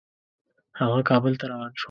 هغه کابل ته روان شو.